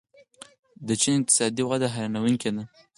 د چین اقتصادي وده حیرانوونکې ده.